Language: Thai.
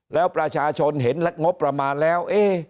แล้วประชาชนเห็นงบประมาณแล้ว